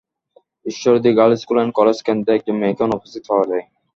Ishwardi girls school and college কেন্দ্রে একজন মেয়েকে অনুপস্থিত পাওয়া যায়।